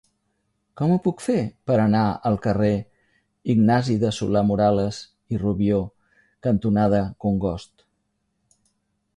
Com ho puc fer per anar al carrer Ignasi de Solà-Morales i Rubió cantonada Congost?